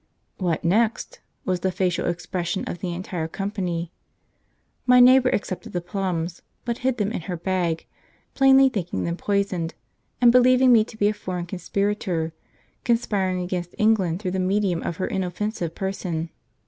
'What next?' was the facial expression of the entire company. My neighbour accepted the plums, but hid them in her bag; plainly thinking them poisoned, and believing me to be a foreign conspirator, conspiring against England through the medium of her inoffensive person.